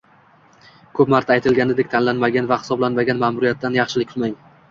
Ko'p marta aytilganidek, tanlanmagan va hisoblanmagan ma'muriyatdan yaxshilik kutmang